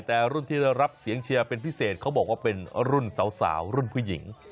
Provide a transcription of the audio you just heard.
แต่รุ่นที่ได้รับเสียงเชียร์เป็นพิเศษเขาบอกว่าเป็นรุ่นสาวรุ่นผู้หญิง